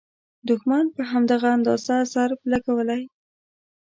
دوښمن په همدغه اندازه ضرب لګولی.